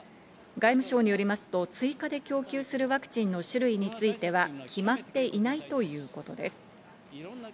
外務省によりますと、追加で供給するワクチンの種類については決まっていないということです。